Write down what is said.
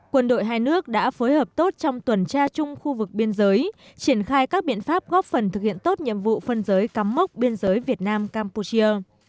quân đội hai nước đã phối hợp tốt trong tuần tra chung khu vực biên giới triển khai các biện pháp góp phần thực hiện tốt nhiệm vụ phân giới cắm mốc biên giới việt nam campuchia